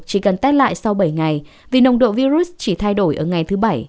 chỉ cần test lại sau bảy ngày vì nồng độ virus chỉ thay đổi ở ngày thứ bảy